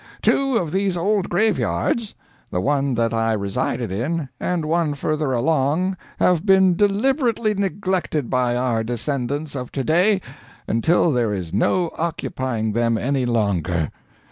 Two of these old graveyards the one that I resided in and one further along have been deliberately neglected by our descendants of to day until there is no occupying them any longer.